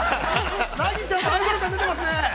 ナギちゃんもアイドル感出てますね。